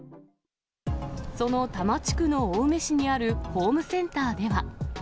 その多摩地区の青梅市にあるホームセンターでは。